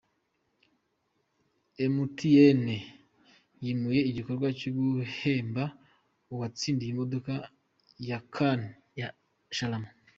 Emutiyene yimuye igikorwa cyo guhemba uwatsindiye imodoka ya kane ya Sharama